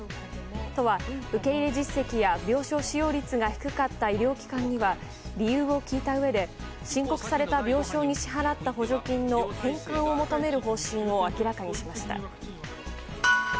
都は受け入れ実績や病床使用率が低かった医療機関には理由を聞いたうえで申告された病床に支払った補助金の返還を求める方針を明らかにしました。